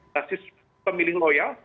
stasis pemilih loyal